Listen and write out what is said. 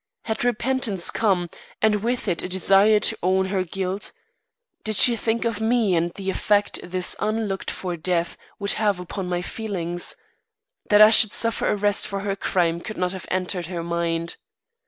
Had repentance come, and with it a desire to own her guilt? Did she think of me and the effect this unlooked for death would have upon my feelings? That I should suffer arrest for her crime could not have entered her mind.